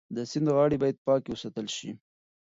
د سیند غاړې باید پاکې وساتل شي.